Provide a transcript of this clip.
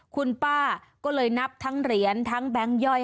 คุณป้าก็เลยนับทั้งเหรียญทั้งแบงค์ย่อย